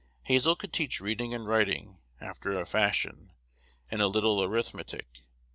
Hazel could teach reading and writing, after a fashion, and a little arithmetic.